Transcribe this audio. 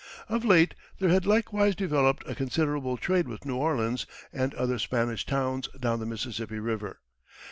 Of late there had likewise developed a considerable trade with New Orleans and other Spanish towns down the Mississippi River.